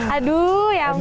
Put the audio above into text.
aduh ya ampun